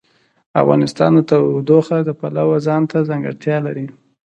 افغانستان د تودوخه د پلوه ځانته ځانګړتیا لري.